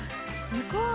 すごい！